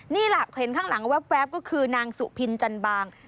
นี่แหละเห็นข้างหลังแว๊บก็คือนางสุพินจันบาง